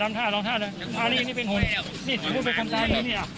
ทำท่าลองท่าเลยอ่านี่นี่เป็นหุมนี่พูดเป็นคำตามนี้นี่อ่ะ